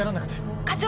課長！